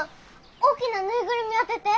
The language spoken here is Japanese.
大きなぬいぐるみ当てて。